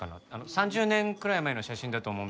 ３０年くらい前の写真だと思うんですけど。